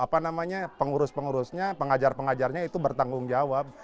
apa namanya pengurus pengurusnya pengajar pengajarnya itu bertanggung jawab